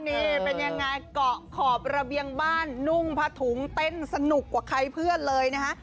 นี่เป็นยังไงเกาะขอบระเบียงบ้านนุ่งผ้าถุงเต้นสนุกกว่าใครเพื่อนเลยนะฮะ